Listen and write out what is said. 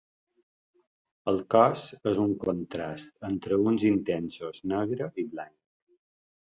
El cos és un contrast entre uns intensos negre i blanc.